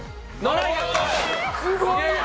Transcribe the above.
すごいよ！